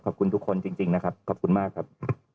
ขอบคุณทุกคนจริงนะครับขอบคุณมากครับ